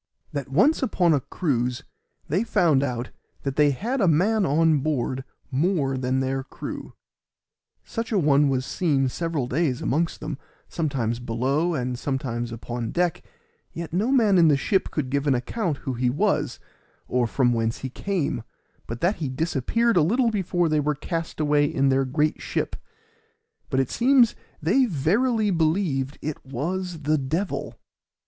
That once upon a cruise they found out that they had a man on board more than their crew; such a one was seen several days amongst them, sometimes below and sometimes upon deck, yet no man in the ship could give an account who he was, or from whence he came, but that he disappeared a little before they were cast away in their great ship; but it seems they verily believed it was the devil.